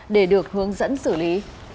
để được hướng dẫn xử lý